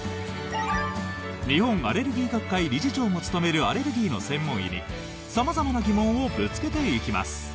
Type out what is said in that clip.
日本アレルギー学会理事長も務めるアレルギーの専門医に様々な疑問をぶつけていきます。